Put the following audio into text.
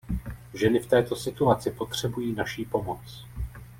Ženy v této situaci potřebují naši pomoc.